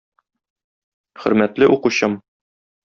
Хөрмәтле укучым!